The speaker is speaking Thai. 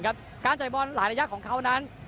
การจ่ายบอลหลายระยะของเขานั้น